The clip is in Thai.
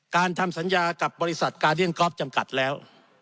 ทำสัญญากับบริษัทกาเดียนกอล์ฟจำกัดแล้ว